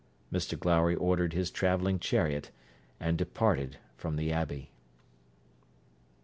Mr Glowry ordered his travelling chariot, and departed from the abbey.